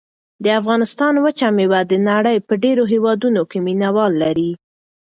د افغانستان وچه مېوه د نړۍ په ډېرو هېوادونو کې مینه وال لري.